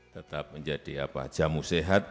tetap menjadi jamu sehat